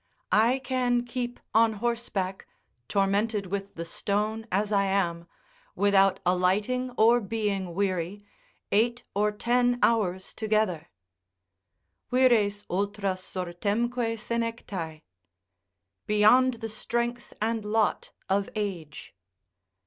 I can keep on horseback, tormented with the stone as I am, without alighting or being weary, eight or ten hours together: "Vires ultra sorternque senectae." ["Beyond the strength and lot of age."